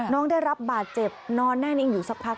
น้องได้รับบาดเจ็บนอนแน่นิ่งอยู่สักพัก